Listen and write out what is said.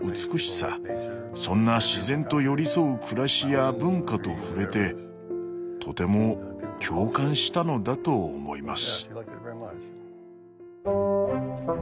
そんな自然と寄り添う暮らしや文化と触れてとても共感したのだと思います。